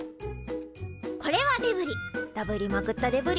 これはデブリ。